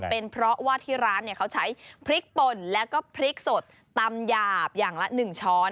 เป็นเพราะว่าที่ร้านเขาใช้พริกป่นแล้วก็พริกสดตำหยาบอย่างละ๑ช้อน